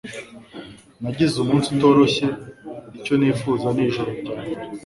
Nagize umunsi utoroshye icyo nifuza ni ijoro ryambere